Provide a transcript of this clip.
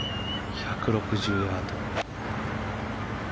１６０ヤード。